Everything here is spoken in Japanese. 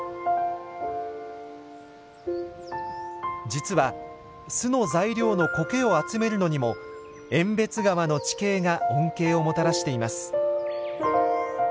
実は巣の材料のコケを集めるのにも遠別川の地形が恩恵をもたらしています。